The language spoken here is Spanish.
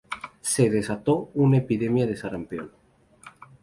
Se desató una epidemia de sarampión.